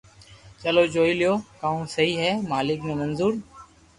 چلو جوئي ليو ڪاو سھي ھي مالڪ ني منظور